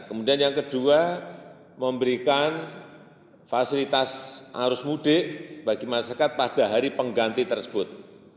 kemudian yang kedua memberikan fasilitas arus mudik bagi masyarakat pada hari pengganti tersebut